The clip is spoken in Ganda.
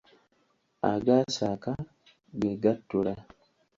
Agaasaaka, ge gattula.